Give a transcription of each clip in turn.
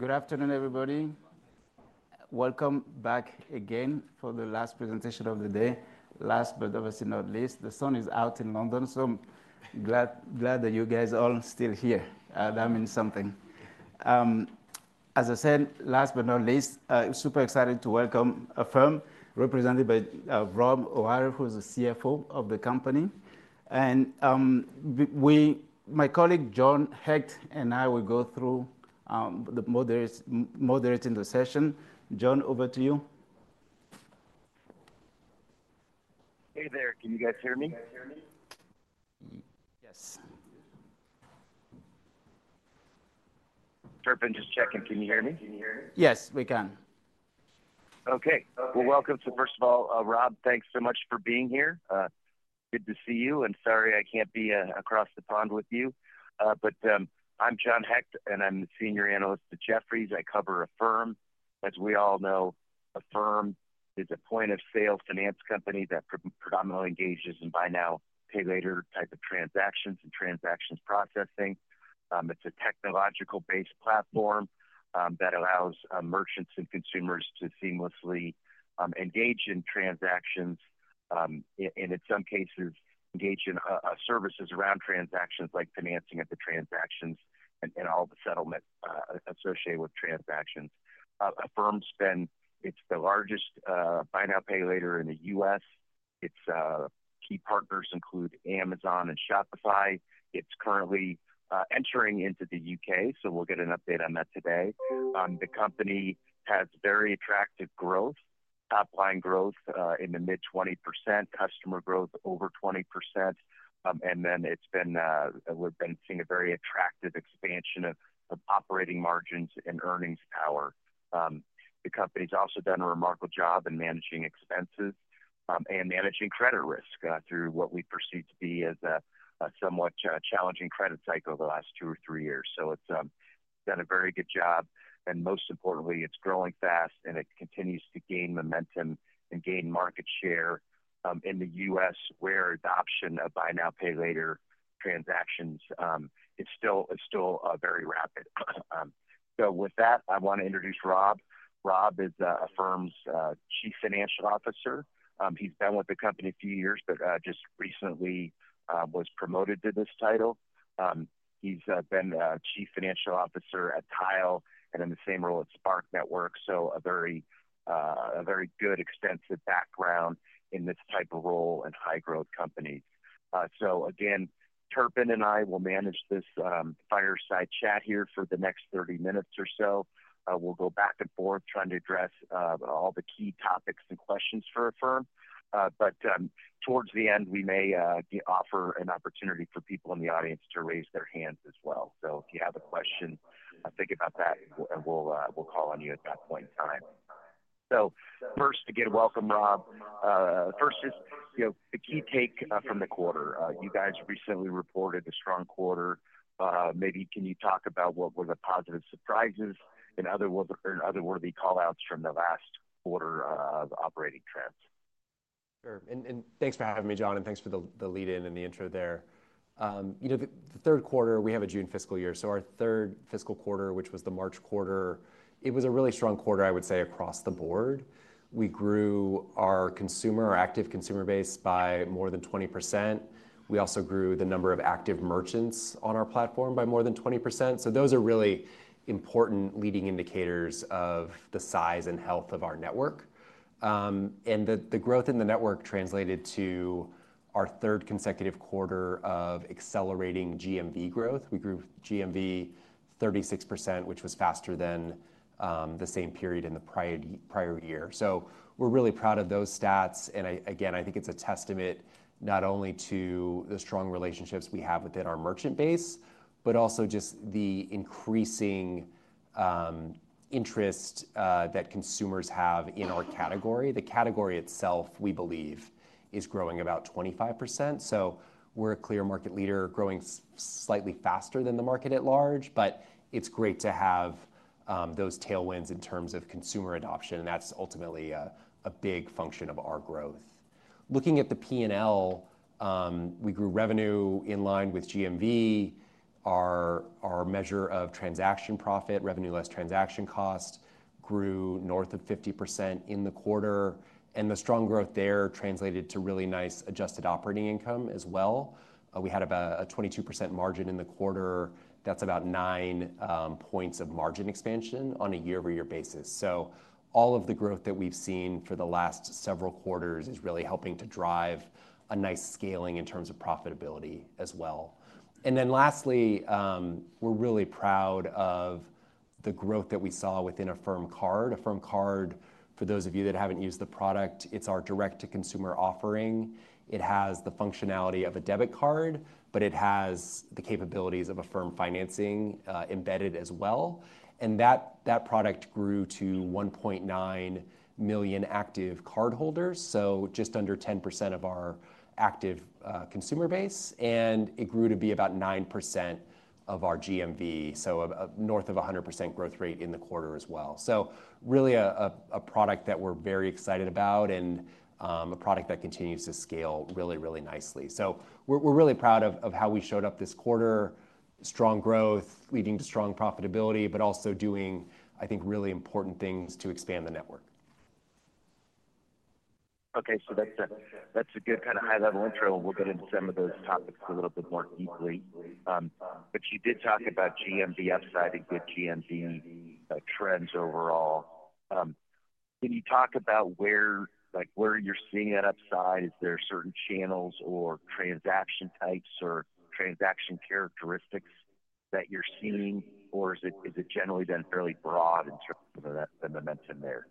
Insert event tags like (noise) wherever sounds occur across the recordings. Good afternoon, everybody. Welcome back again for the last presentation of the day. Last but definitely not least, the sun is out in London, so glad that you guys are all still here. That means something. As I said, last but not least, I'm super excited to welcome Affirm represented by Rob O'Hare, who is the CFO of the company, and my colleague John Hecht and I will go through moderating the session. John, over to you. Hey there. Can you guys hear me? Yes. [Turpin], just checking. Can you hear me? Yes, we can. OK. Welcome to, first of all, Rob. Thanks so much for being here. Good to see you. Sorry I can't be across the pond with you. I'm John Hecht, and I'm the senior analyst at Jefferies. I cover Affirm. As we all know, Affirm is a point-of-sale finance company that predominantly engages in buy-now-pay-later type of transactions and transactions processing. It's a technological-based platform that allows merchants and consumers to seamlessly engage in transactions and, in some cases, engage in services around transactions, like financing of the transactions and all the settlement associated with transactions. Affirm spend, it's the largest buy-now-pay-later in the U.S. Its key partners include Amazon and Shopify. It's currently entering into the U.K., so we'll get an update on that today. The company has very attractive growth, top-line growth in the mid-20%, customer growth over 20%. We have been seeing a very attractive expansion of operating margins and earnings power. The company has also done a remarkable job in managing expenses and managing credit risk through what we perceive to be a somewhat challenging credit cycle over the last two or three years. It has done a very good job. Most importantly, it is growing fast, and it continues to gain momentum and gain market share in the U.S., where adoption of buy-now-pay-later transactions is still very rapid. With that, I want to introduce Rob. Rob is Affirm's Chief Financial Officer. He has been with the company a few years, but just recently was promoted to this title. He has been Chief Financial Officer at Tile and in the same role at Spark Networks, so a very good, extensive background in this type of role and high-growth companies. So again, [Turpin] and I will manage this fireside chat here for the next 30 minutes or so. We'll go back and forth trying to address all the key topics and questions for Affirm. Towards the end, we may offer an opportunity for people in the audience to raise their hands as well. If you have a question, think about that, and we'll call on you at that point in time. First, again, welcome, Rob. First is the key take from the quarter. You guys recently reported a strong quarter. Maybe can you talk about what were the positive surprises and other worthy callouts from the last quarter of operating trends? Sure. Thanks for having me, John, and thanks for the lead-in and the intro there. The third quarter, we have a June fiscal year. Our third fiscal quarter, which was the March quarter, it was a really strong quarter, I would say, across the board. We grew our consumer, our active consumer base, by more than 20%. We also grew the number of active merchants on our platform by more than 20%. Those are really important leading indicators of the size and health of our network. The growth in the network translated to our third consecutive quarter of accelerating GMV growth. We grew GMV 36%, which was faster than the same period in the prior year. We're really proud of those stats. I think it's a testament not only to the strong relationships we have within our merchant base, but also just the increasing interest that consumers have in our category. The category itself, we believe, is growing about 25%. We are a clear market leader, growing slightly faster than the market at large. It is great to have those tailwinds in terms of consumer adoption. That is ultimately a big function of our growth. Looking at the P&L, we grew revenue in line with GMV. Our measure of transaction profit, revenue less transaction cost, grew north of 50% in the quarter. The strong growth there translated to really nice adjusted operating income as well. We had about a 22% margin in the quarter. That is about nine points of margin expansion on a year-over-year basis. All of the growth that we've seen for the last several quarters is really helping to drive a nice scaling in terms of profitability as well. Lastly, we're really proud of the growth that we saw within Affirm Card. Affirm Card, for those of you that haven't used the product, it's our direct-to-consumer offering. It has the functionality of a debit card, but it has the capabilities of Affirm financing embedded as well. That product grew to 1.9 million active cardholders, so just under 10% of our active consumer base. It grew to be about 9% of our GMV, so north of 100% growth rate in the quarter as well. Really a product that we're very excited about and a product that continues to scale really, really nicely. We're really proud of how we showed up this quarter, strong growth leading to strong profitability, but also doing, I think, really important things to expand the network. Okay. That's a good kind of high-level intro. We'll get into some of those topics a little bit more deeply. You did talk about GMV upside and good GMV trends overall. Can you talk about where you're seeing that upside? Is there certain channels or transaction types or transaction characteristics that you're seeing, or has it generally been fairly broad in terms of the momentum there?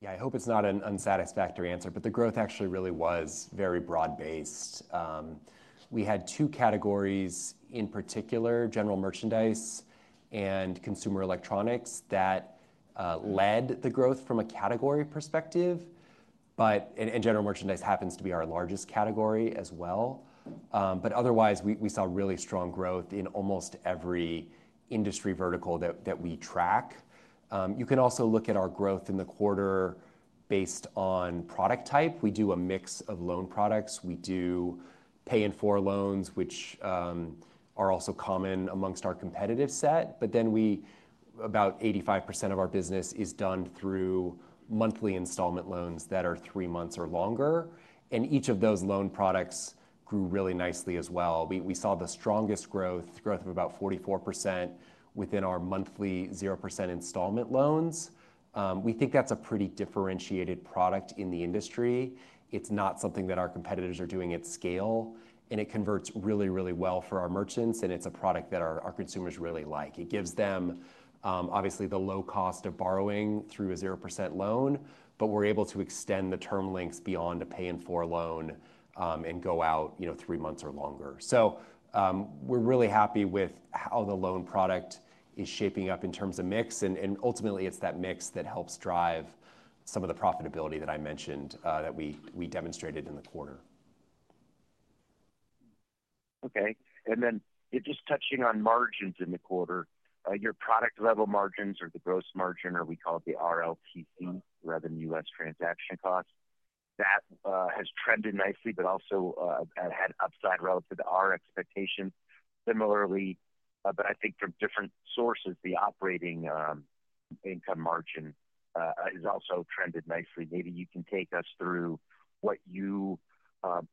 Yeah, I hope it's not an unsatisfactory answer, but the growth actually really was very broad-based. We had two categories in particular, general merchandise and consumer electronics, that led the growth from a category perspective. General merchandise happens to be our largest category as well. Otherwise, we saw really strong growth in almost every industry vertical that we track. You can also look at our growth in the quarter based on product type. We do a mix of loan products. We do pay-in-four loans, which are also common amongst our competitive set. About 85% of our business is done through monthly installment loans that are three months or longer. Each of those loan products grew really nicely as well. We saw the strongest growth, growth of about 44% within our monthly 0% installment loans. We think that's a pretty differentiated product in the industry. It's not something that our competitors are doing at scale. It converts really, really well for our merchants. It's a product that our consumers really like. It gives them, obviously, the low cost of borrowing through a 0% loan. We're able to extend the term lengths beyond a pay-in-four loan and go out three months or longer. We're really happy with how the loan product is shaping up in terms of mix. Ultimately, it's that mix that helps drive some of the profitability that I mentioned that we demonstrated in the quarter. Okay. Just touching on margins in the quarter, your product-level margins or the gross margin, or we call it the RLTC, revenue less transaction cost, that has trended nicely, but also had upside relative to our expectations. Similarly, but I think from different sources, the operating income margin has also trended nicely. Maybe you can take us through what you,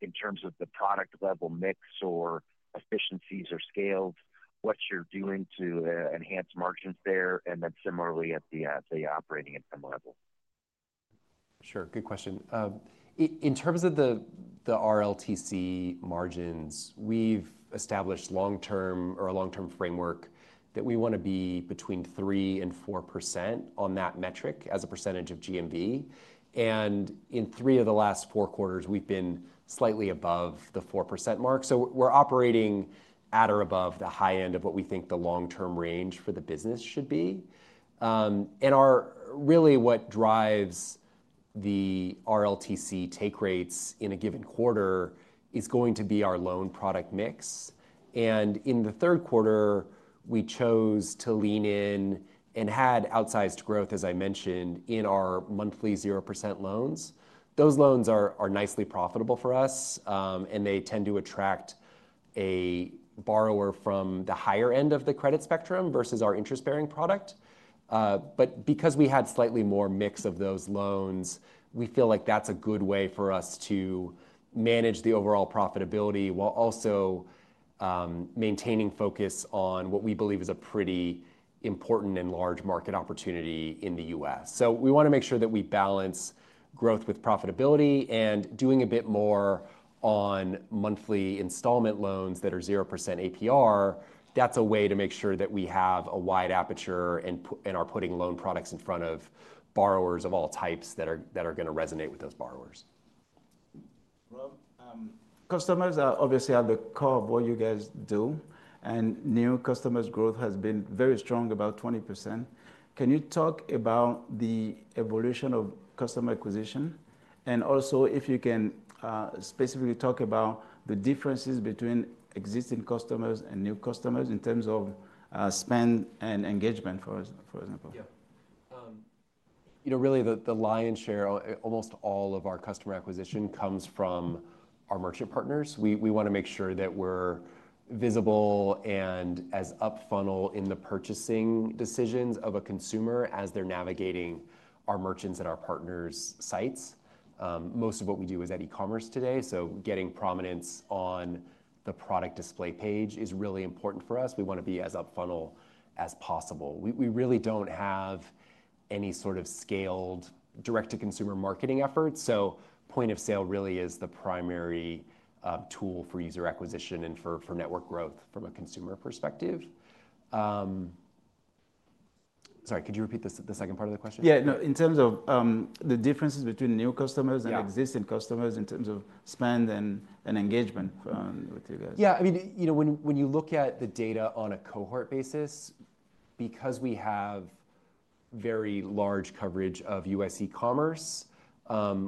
in terms of the product-level mix or efficiencies or scales, what you're doing to enhance margins there, and then similarly at the operating income level. Sure. Good question. In terms of the RLTC margins, we've established a long-term framework that we want to be between 3% and 4% on that metric as a percentage of GMV. In three of the last four quarters, we've been slightly above the 4% mark. We are operating at or above the high end of what we think the long-term range for the business should be. Really what drives the RLTC take rates in a given quarter is going to be our loan product mix. In the third quarter, we chose to lean in and had outsized growth, as I mentioned, in our monthly 0% loans. Those loans are nicely profitable for us, and they tend to attract a borrower from the higher end of the credit spectrum versus our interest-bearing product. Because we had slightly more mix of those loans, we feel like that's a good way for us to manage the overall profitability while also maintaining focus on what we believe is a pretty important and large market opportunity in the U.S. We want to make sure that we balance growth with profitability. Doing a bit more on monthly installment loans that are 0% APR is a way to make sure that we have a wide aperture and are putting loan products in front of borrowers of all types that are going to resonate with those borrowers. Customers are obviously at the core of what you guys do. New customers' growth has been very strong, about 20%. Can you talk about the evolution of customer acquisition? Also, if you can specifically talk about the differences between existing customers and new customers in terms of spend and engagement, for example. Yeah. Really, the lion's share, almost all of our customer acquisition comes from our merchant partners. We want to make sure that we're visible and as up-funnel in the purchasing decisions of a consumer as they're navigating our merchants and our partners' sites. Most of what we do is at e-commerce today. Getting prominence on the product display page is really important for us. We want to be as up-funnel as possible. We really don't have any sort of scaled direct-to-consumer marketing efforts. Point of sale really is the primary tool for user acquisition and for network growth from a consumer perspective. Sorry, could you repeat the second part of the question? Yeah. In terms of the differences between new customers and existing customers in terms of spend and engagement with you guys. Yeah. I mean, when you look at the data on a cohort basis, because we have very large coverage of U.S. e-commerce,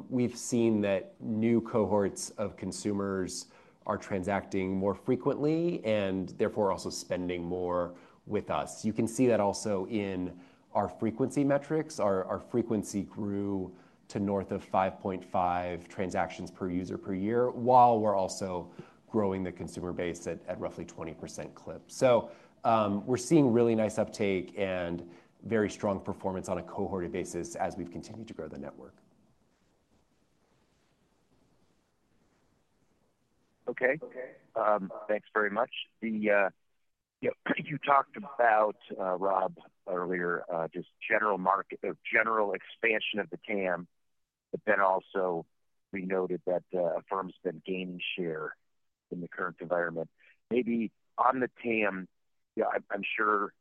we've seen that new cohorts of consumers are transacting more frequently and therefore also spending more with us. You can see that also in our frequency metrics. Our frequency grew to north of 5.5 transactions per user per year, while we're also growing the consumer base at roughly 20% clip. We are seeing really nice uptake and very strong performance on a cohorted basis as we've continued to grow the network. Okay. Thanks very much. You talked about, Rob, earlier just general expansion of the TAM. But then also we noted that Affirm's been gaining share in the current environment. Maybe on the TAM, I'm sure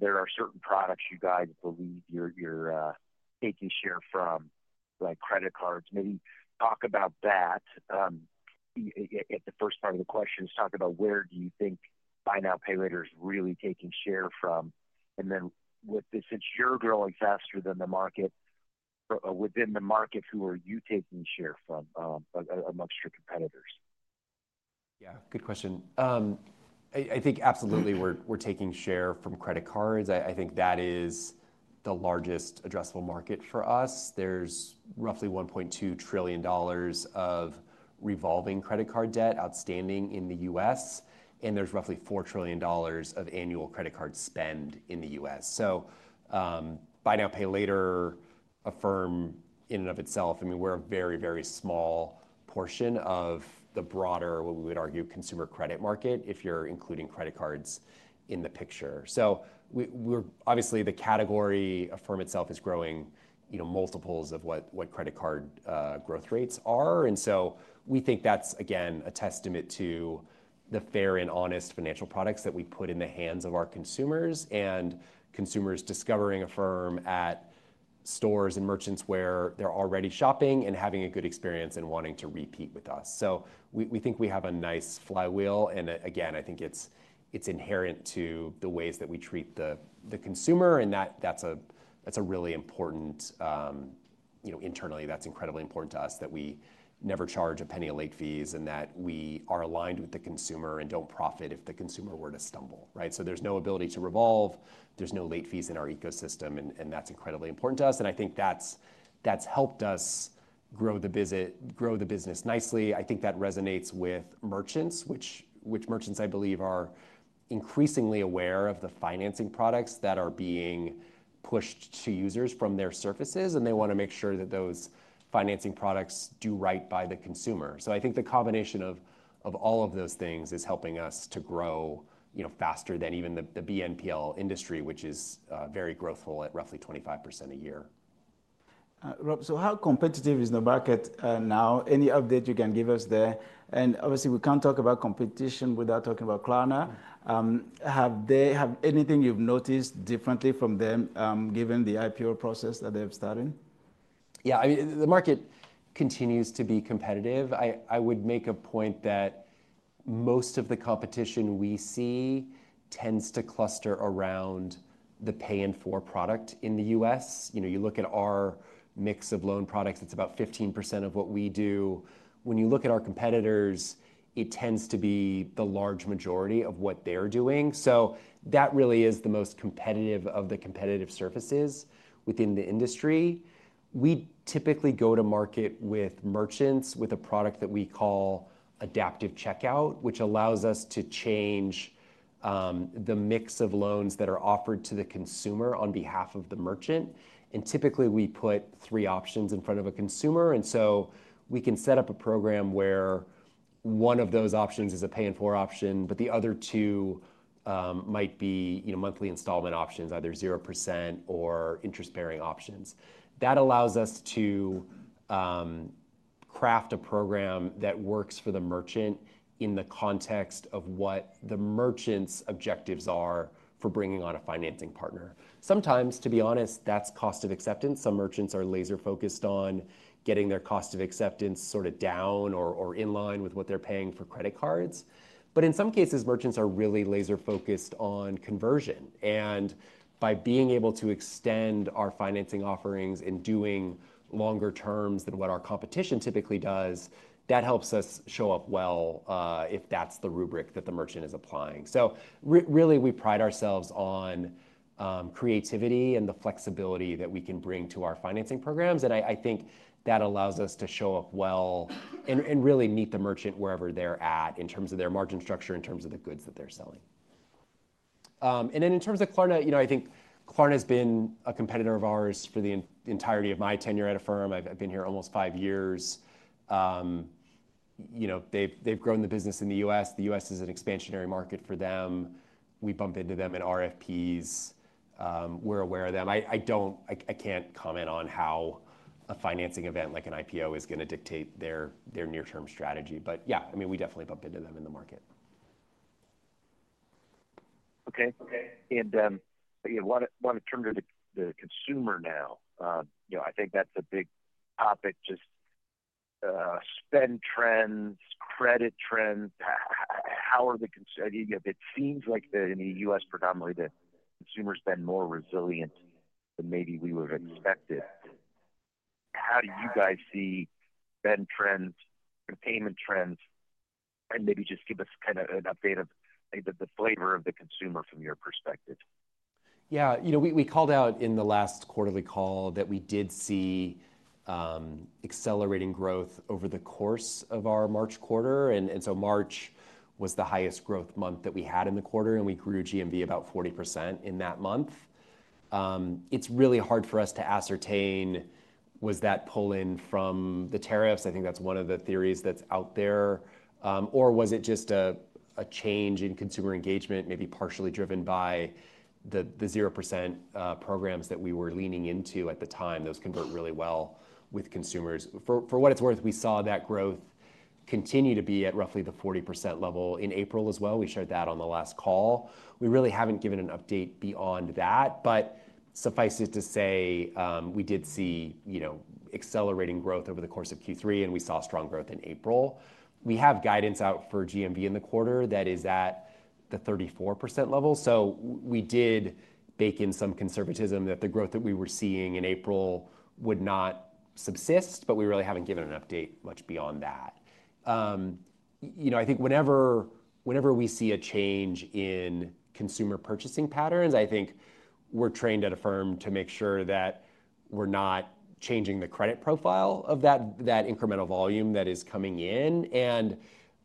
there are certain products you guys believe you're taking share from, like credit cards. Maybe talk about that. At the first part of the question, talk about where do you think buy-now-pay-later is really taking share from, and then since you're growing faster within the market, who are you taking share from amongst your competitors? Yeah. Good question. I think absolutely we're taking share from credit cards. I think that is the largest addressable market for us. There's roughly $1.2 trillion of revolving credit card debt outstanding in the U.S. There's roughly $4 trillion of annual credit card spend in the U.S. Buy-now-pay-later, Affirm in and of itself, I mean, we're a very, very small portion of the broader, what we would argue, consumer credit market if you're including credit cards in the picture. Obviously, the category, Affirm itself, is growing multiples of what credit card growth rates are. We think that's, again, a testament to the fair and honest financial products that we put in the hands of our consumers and consumers discovering Affirm at stores and merchants where they're already shopping and having a good experience and wanting to repeat with us. We think we have a nice flywheel. I think it's inherent to the ways that we treat the consumer. That's really important, internally, that's incredibly important to us that we never charge a penny of late fees and that we are aligned with the consumer and don't profit if the consumer were to stumble. There's no ability to revolve. There's no late fees in our ecosystem. That's incredibly important to us. I think that's helped us grow the business nicely. I think that resonates with merchants, which merchants, I believe, are increasingly aware of the financing products that are being pushed to users from their services. They want to make sure that those financing products do right by the consumer. I think the combination of all of those things is helping us to grow faster than even the BNPL industry, which is very growthful at roughly 25% a year. Rob, how competitive is the market now? Any update you can give us there? Obviously, we can't talk about competition without talking about Klarna. Have they had anything you've noticed differently from them given the IPO process that they've started? Yeah. I mean, the market continues to be competitive. I would make a point that most of the competition we see tends to cluster around the pay-in-four product in the U.S. You look at our mix of loan products, it's about 15% of what we do. When you look at our competitors, it tends to be the large majority of what they're doing. That really is the most competitive of the competitive surfaces within the industry. We typically go to market with merchants with a product that we call Adaptive Checkout, which allows us to change the mix of loans that are offered to the consumer on behalf of the merchant. Typically, we put three options in front of a consumer. We can set up a program where one of those options is a pay-in-four option, but the other two might be monthly installment options, either 0% or interest-bearing options. That allows us to craft a program that works for the merchant in the context of what the merchant's objectives are for bringing on a financing partner. Sometimes, to be honest, that's cost of acceptance. Some merchants are laser-focused on getting their cost of acceptance sort of down or in line with what they're paying for credit cards. In some cases, merchants are really laser-focused on conversion. By being able to extend our financing offerings and doing longer terms than what our competition typically does, that helps us show up well if that's the rubric that the merchant is applying. We pride ourselves on creativity and the flexibility that we can bring to our financing programs. I think that allows us to show up well and really meet the merchant wherever they're at in terms of their margin structure, in terms of the goods that they're selling. In terms of Klarna, I think Klarna has been a competitor of ours for the entirety of my tenure at Affirm. I've been here almost five years. They've grown the business in the U.S. The U.S. is an expansionary market for them. We bump into them in RFPs. We're aware of them. I can't comment on how a financing event like an IPO is going to dictate their near-term strategy. Yeah, I mean, we definitely bump into them in the market. Okay. I want to turn to the consumer now. I think that's a big topic, just spend trends, credit trends. How are the consumers? It seems like in the U.S., predominantly, the consumers have been more resilient than maybe we would have expected. How do you guys see spend trends, payment trends, and maybe just give us kind of an update of the flavor of the consumer from your perspective? Yeah. We called out in the last quarterly call that we did see accelerating growth over the course of our March quarter. March was the highest growth month that we had in the quarter. We grew GMV about 40% in that month. It's really hard for us to ascertain was that pulling from the tariffs. I think that's one of the theories that's out there. Or was it just a change in consumer engagement, maybe partially driven by the 0% programs that we were leaning into at the time? Those convert really well with consumers. For what it's worth, we saw that growth continue to be at roughly the 40% level in April as well. We shared that on the last call. We really haven't given an update beyond that. Suffice it to say, we did see accelerating growth over the course of Q3. We saw strong growth in April. We have guidance out for GMV in the quarter that is at the 34% level. We did bake in some conservatism that the growth that we were seeing in April would not subsist. We really haven't given an update much beyond that. I think whenever we see a change in consumer purchasing patterns, I think we're trained at Affirm to make sure that we're not changing the credit profile of that incremental volume that is coming in.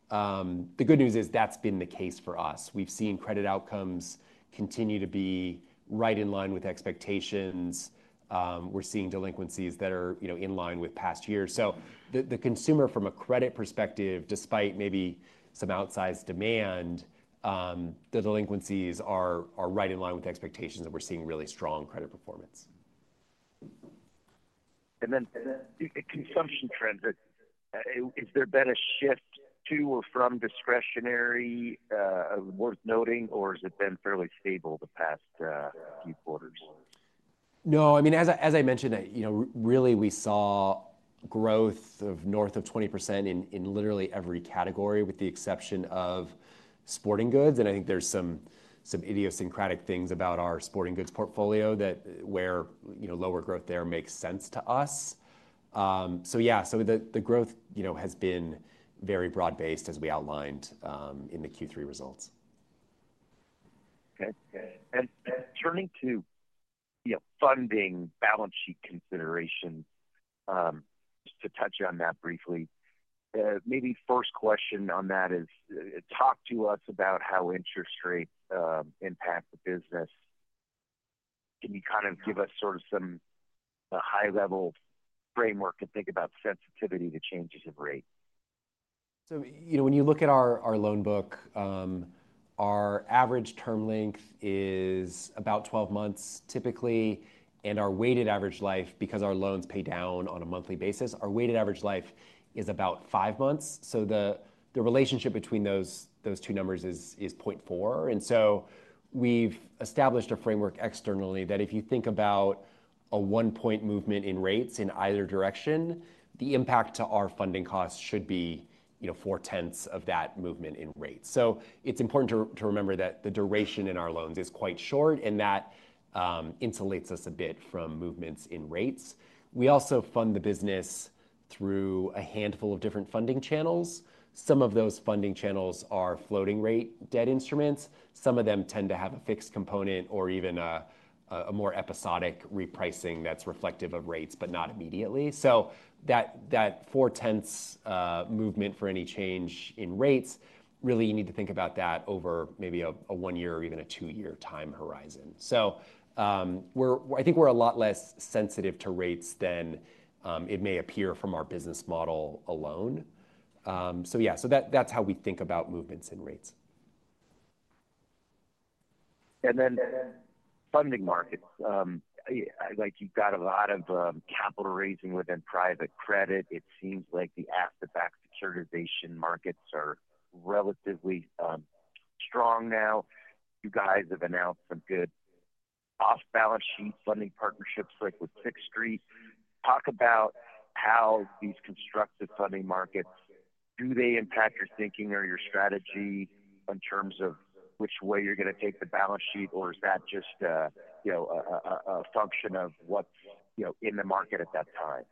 The good news is that's been the case for us. We've seen credit outcomes continue to be right in line with expectations. We're seeing delinquencies that are in line with past years. The consumer, from a credit perspective, despite maybe some outsized demand, the delinquencies are right in line with expectations that we're seeing really strong credit performance. Consumption trends, has there been a shift to or from discretionary worth noting? Or has it been fairly stable the past few quarters? No. I mean, as I mentioned, really, we saw growth of north of 20% in literally every category with the exception of sporting goods. I think there's some idiosyncratic things about our sporting goods portfolio where lower growth there makes sense to us. Yeah, the growth has been very broad-based, as we outlined in the Q3 results. Okay. Turning to funding balance sheet considerations, just to touch on that briefly, maybe first question on that is, talk to us about how interest rates impact the business. Can you kind of give us sort of some high-level framework to think about sensitivity to changes of rate? When you look at our loan book, our average term length is about 12 months typically. Our weighted average life, because our loans pay down on a monthly basis, is about five months. The relationship between those two numbers is 0.4. We have established a framework externally that if you think about a one-point movement in rates in either direction, the impact to our funding costs should be 4/10 of that movement in rates. It is important to remember that the duration in our loans is quite short and that insulates us a bit from movements in rates. We also fund the business through a handful of different funding channels. Some of those funding channels are floating-rate debt instruments. Some of them tend to have a fixed component or even a more episodic repricing that is reflective of rates, but not immediately. That 4/10 movement for any change in rates, really, you need to think about that over maybe a one-year or even a two-year time horizon. I think we're a lot less sensitive to rates than it may appear from our business model alone. Yeah, that's how we think about movements in rates. Funding markets. You've got a lot of capital raising within private credit. It seems like the asset-backed securitization markets are relatively strong now. You guys have announced some good off-balance sheet funding partnerships like with Sixth Street. Talk about how these constructive funding markets, do they impact your thinking or your strategy in terms of which way you're going to take the balance sheet? Or is that just a function of what's in the market at that time?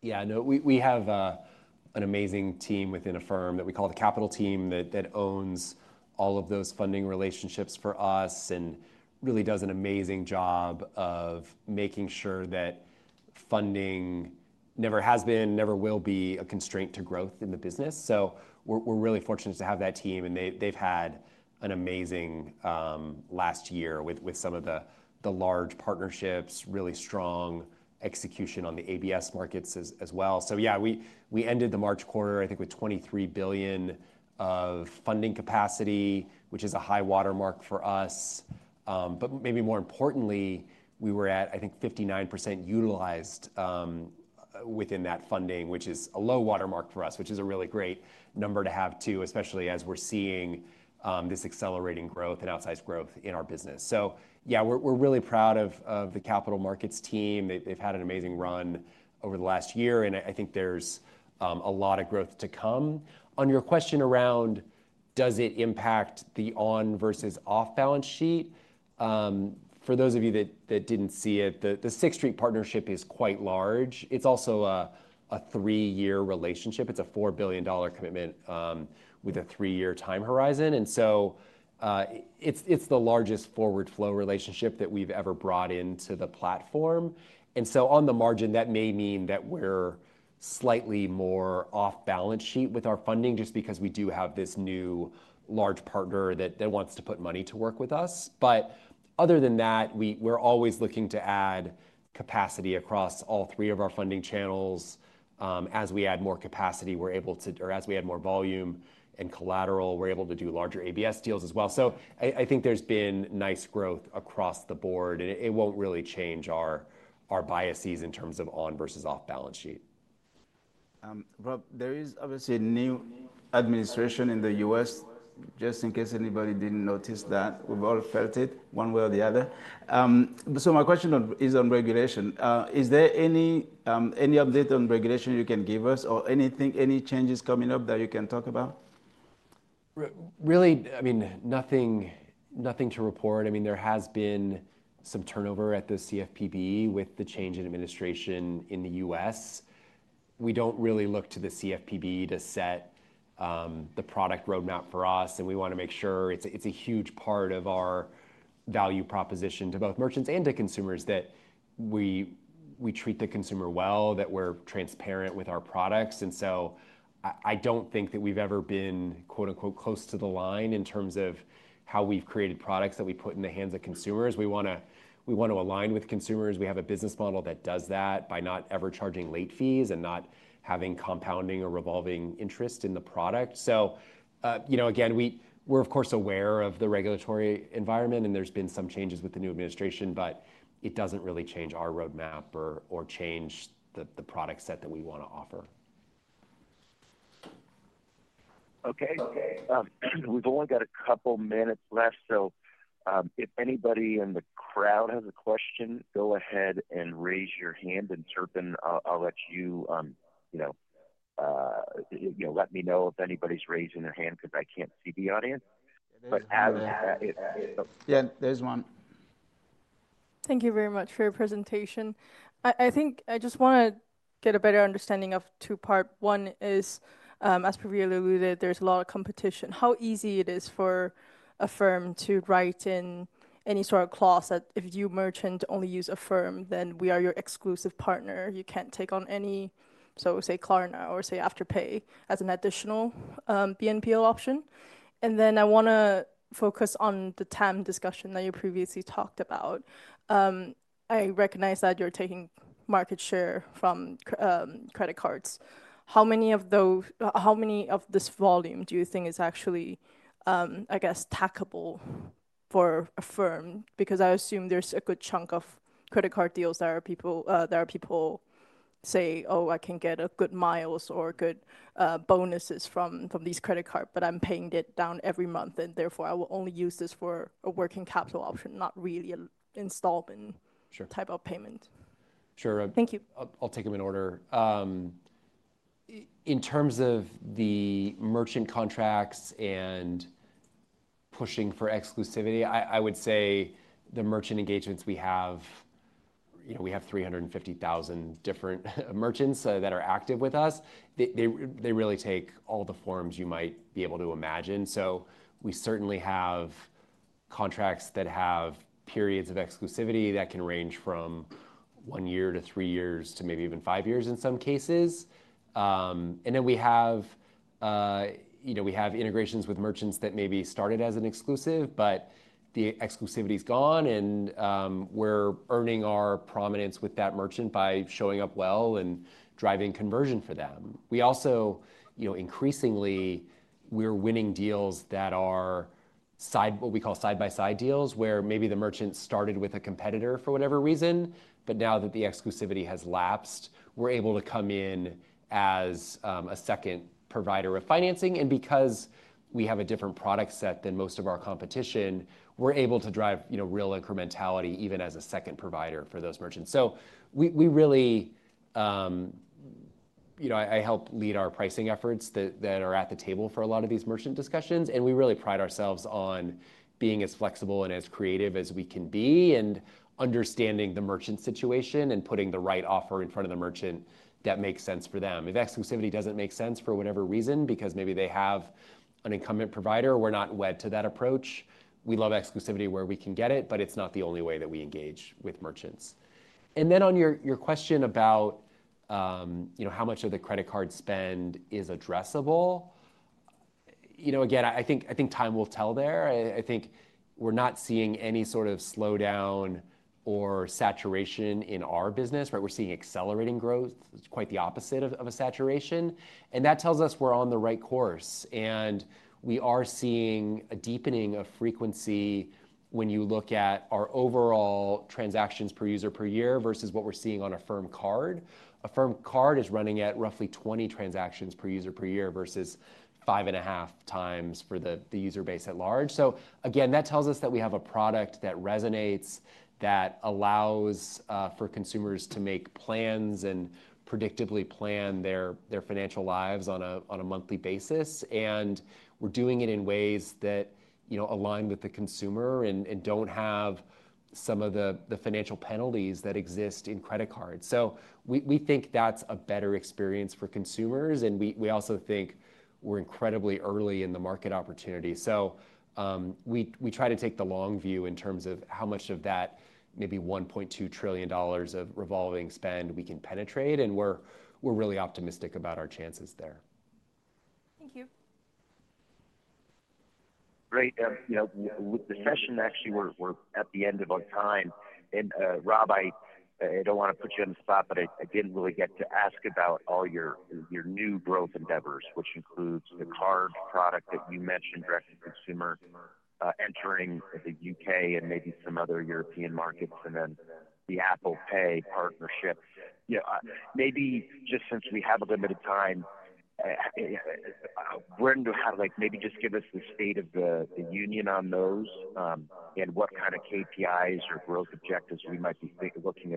Yeah. No, we have an amazing team within Affirm that we call the Capital Team that owns all of those funding relationships for us and really does an amazing job of making sure that funding never has been, never will be a constraint to growth in the business. We are really fortunate to have that team. They have had an amazing last year with some of the large partnerships, really strong execution on the ABS markets as well. Yeah, we ended the March quarter, I think, with $23 billion of funding capacity, which is a high watermark for us. Maybe more importantly, we were at, I think, 59% utilized within that funding, which is a low watermark for us, which is a really great number to have too, especially as we are seeing this accelerating growth and outsized growth in our business. Yeah, we're really proud of the capital markets team. They've had an amazing run over the last year. I think there's a lot of growth to come. On your question around does it impact the on- versus off-balance sheet, for those of you that didn't see it, the Sixth Street partnership is quite large. It's also a three-year relationship. It's a $4 billion commitment with a three-year time horizon. It's the largest forward flow relationship that we've ever brought into the platform. On the margin, that may mean that we're slightly more off-balance sheet with our funding just because we do have this new large partner that wants to put money to work with us. Other than that, we're always looking to add capacity across all three of our funding channels. As we add more capacity, we're able to, or as we add more volume and collateral, we're able to do larger ABS deals as well. I think there's been nice growth across the board. It won't really change our biases in terms of on- versus off-balance sheet. Rob, there is obviously a new administration in the U.S., just in case anybody did not notice that. We have all felt it one way or the other. My question is on regulation. Is there any update on regulation you can give us or any changes coming up that you can talk about? Really, I mean, nothing to report. I mean, there has been some turnover at the CFPB with the change in administration in the U.S. We do not really look to the CFPB to set the product roadmap for us. We want to make sure it is a huge part of our value proposition to both merchants and to consumers that we treat the consumer well, that we are transparent with our products. I do not think that we have ever been "close to the line" in terms of how we have created products that we put in the hands of consumers. We want to align with consumers. We have a business model that does that by not ever charging late fees and not having compounding or revolving interest in the product. Again, we are, of course, aware of the regulatory environment. There have been some changes with the new administration. It doesn't really change our roadmap or change the product set that we want to offer. Okay. We've only got a couple minutes left. If anybody in the crowd has a question, go ahead and raise your hand. [Turpin], I'll let you let me know if anybody's raising their hand because I can't see the audience. Yeah. There's one. Thank you very much for your presentation. I think I just want to get a better understanding of two parts. One is, as, (audio distortion) there's a lot of competition. How easy is it for Affirm to write in any sort of clause that if you merchant only use Affirm, then we are your exclusive partner. You can't take on any, so say Klarna or say Afterpay as an additional BNPL option. I want to focus on the TAM discussion that you previously talked about. I recognize that you're taking market share from credit cards. How much of this volume do you think is actually, I guess, tackable for Affirm? Because I assume there's a good chunk of credit card deals that people say, "Oh, I can get good miles or good bonuses from these credit cards. But I'm paying it down every month. I will only use this for a working capital option, not really an installment type of payment." Sure. Thank you. I'll take them in order. In terms of the merchant contracts and pushing for exclusivity, I would say the merchant engagements we have, we have 350,000 different merchants that are active with us. They really take all the forms you might be able to imagine. We certainly have contracts that have periods of exclusivity that can range from one year to three years to maybe even five years in some cases. We have integrations with merchants that maybe started as an exclusive, but the exclusivity is gone, and we're earning our prominence with that merchant by showing up well and driving conversion for them. Also, increasingly, we're winning deals that are what we call side-by-side deals where maybe the merchant started with a competitor for whatever reason, but now that the exclusivity has lapsed, we're able to come in as a second provider of financing. Because we have a different product set than most of our competition, we're able to drive real incrementality even as a second provider for those merchants. I help lead our pricing efforts that are at the table for a lot of these merchant discussions. We really pride ourselves on being as flexible and as creative as we can be and understanding the merchant situation and putting the right offer in front of the merchant that makes sense for them. If exclusivity does not make sense for whatever reason, because maybe they have an incumbent provider, we're not wed to that approach. We love exclusivity where we can get it, but it's not the only way that we engage with merchants. On your question about how much of the credit card spend is addressable, again, I think time will tell there. I think we're not seeing any sort of slowdown or saturation in our business. We're seeing accelerating growth. It's quite the opposite of a saturation. That tells us we're on the right course. We are seeing a deepening of frequency when you look at our overall transactions per user per year versus what we're seeing on Affirm Card. Affirm Card is running at roughly 20 transactions per user per year versus 5- 1/2 times for the user base at large. That tells us that we have a product that resonates, that allows for consumers to make plans and predictably plan their financial lives on a monthly basis. We're doing it in ways that align with the consumer and don't have some of the financial penalties that exist in credit cards. We think that's a better experience for consumers. We also think we're incredibly early in the market opportunity. We try to take the long view in terms of how much of that maybe $1.2 trillion of revolving spend we can penetrate. We're really optimistic about our chances there. Thank you. Great. The session, actually, we're at the end of our time. Rob, I don't want to put you on the spot. I didn't really get to ask about all your new growth endeavors, which includes the Card product that you mentioned, direct-to-consumer, entering the U.K. and maybe some other European markets, and then the Apple Pay partnership. Maybe just since we have a limited time, maybe just give us the state of the union on those and what kind of KPIs or growth objectives we might be looking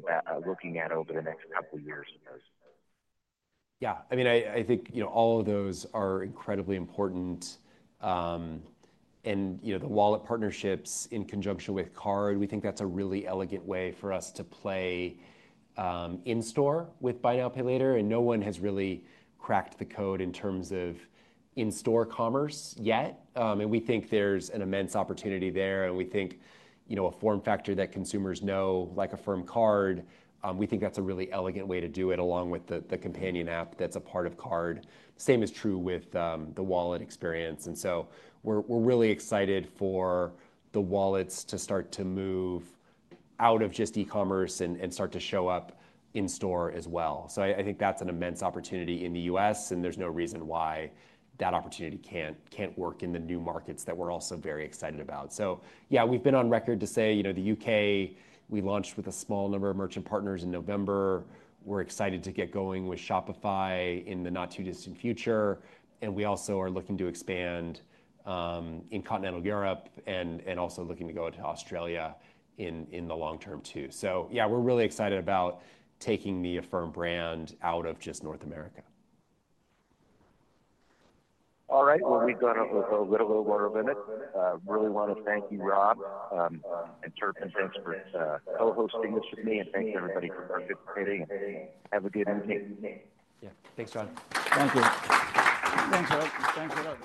at over the next couple of years with those. Yeah. I mean, I think all of those are incredibly important. The Wallet partnerships in conjunction with Card, we think that's a really elegant way for us to play in-store with buy-now-pay-later. No one has really cracked the code in terms of in-store commerce yet. We think there's an immense opportunity there. We think a form factor that consumers know, like Affirm Card, that's a really elegant way to do it along with the companion app that's a part of Card. The same is true with the Wallet experience. We're really excited for the Wallets to start to move out of just e-commerce and start to show up in-store as well. I think that's an immense opportunity in the U.S. There's no reason why that opportunity can't work in the new markets that we're also very excited about. Yeah, we've been on record to say the U.K., we launched with a small number of merchant partners in November. We're excited to get going with Shopify in the not-too-distant future. We also are looking to expand in continental Europe and also looking to go to Australia in the long term too. Yeah, we're really excited about taking the Affirm brand out of just North America. All right. We've got a little bit over the limit. Really want to thank you, Rob, and [Turpin], thanks for co-hosting this with me. Thanks to everybody for participating. Have a good evening. Yeah. Thanks, John. Thank you, Rob.